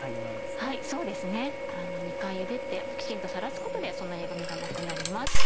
２回ゆでてきちんとさらすことでそのえぐみがなくなります。